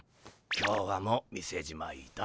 今日はもう店じまいだ。